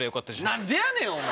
何でやねんお前。